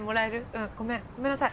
うんごめんごめんなさい。